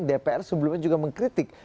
dpr sebelumnya juga mengkritik